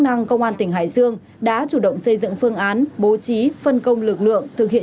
chức năng công an tỉnh hải dương đã chủ động xây dựng phương án bố trí phân công lực lượng thực hiện